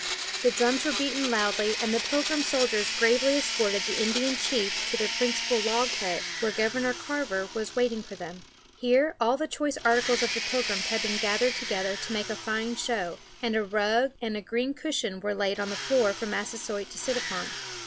The drums were beaten loudly, and the Pilgrim soldiers gravely escorted the Indian chief to their principal log hut, where Governor Carver was waiting for them. Here all the choice articles of the Pilgrims had been gathered together to make a fine show, and a rug and green cushion were laid on the floor for Massasoit to sit upon.